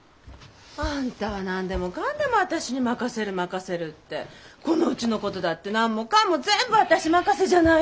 あんたは何でもかんでも私に任せる任せるってこのうちのことだって何もかも全部私任せじゃないの。